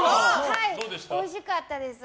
おいしかったです。